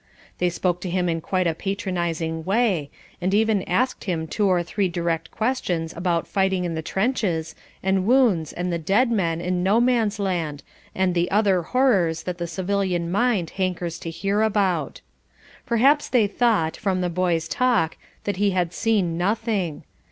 They spoke to him in quite a patronising way, and even asked him two or three direct questions about fighting in the trenches, and wounds and the dead men in No Man's Land and the other horrors that the civilian mind hankers to hear about. Perhaps they thought, from the boy's talk, that he had seen nothing.